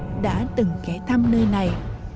ngôi chùa đã từng kẻ thăm nơi này